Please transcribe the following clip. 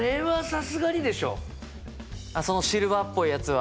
そのシルバーっぽいやつは。